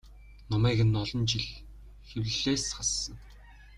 Номыг нь олон жил хэвлэлээс хассан.